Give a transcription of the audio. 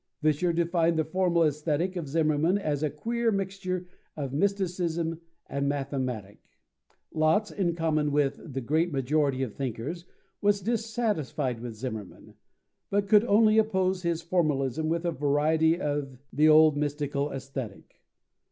Vischer defined the formal Aesthetic of Zimmermann as a queer mixture of mysticism and mathematic. Lotze, in common with the great majority of thinkers, was dissatisfied with Zimmermann, but could only oppose his formalism with a variety of the old mystical Aesthetic.